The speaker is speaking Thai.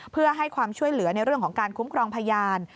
เพื่อให้ความช่วยเหลือในเรื่องของการคุ้มครองพยาน